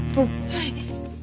はい。